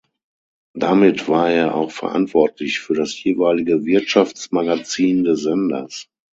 Damit war er auch verantwortlich für das jeweilige Wirtschaftsmagazin des Senders.